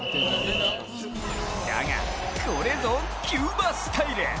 だが、これぞキューバスタイル。